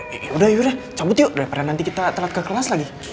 yaudah yaudah cabut yuk daripada nanti kita telat ke kelas lagi